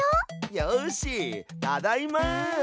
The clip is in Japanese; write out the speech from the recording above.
よしただいま！